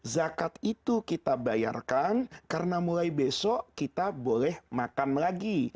zakat itu kita bayarkan karena mulai besok kita boleh makan lagi